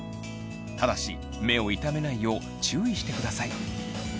ただし目を痛めないよう注意してください。